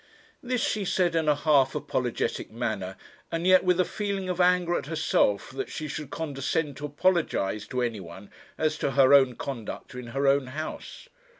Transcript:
This she said in a half apologetic manner, and yet with a feeling of anger at herself that she should condescend to apologize to any one as to her own conduct in her own house.